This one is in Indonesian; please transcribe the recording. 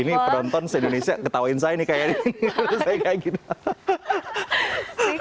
ini penonton se indonesia ketawain saya nih kayak gini